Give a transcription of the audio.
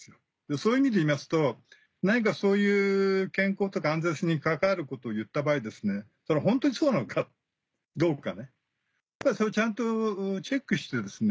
そういう意味でいいますと何かそういう健康とか安全性に関わることを言った場合にそれホントにそうなのかどうかそれをちゃんとチェックしてですね。